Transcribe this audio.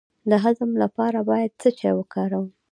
د هضم لپاره باید څه شی وکاروم؟